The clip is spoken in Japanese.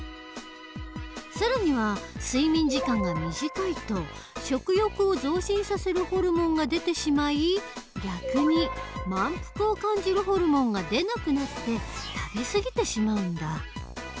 更には睡眠時間が短いと食欲を増進させるホルモンが出てしまい逆に満腹を感じるホルモンが出なくなって食べすぎてしまうんだ。